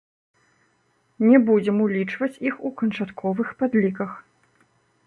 Не будзем улічваць іх у канчатковых падліках.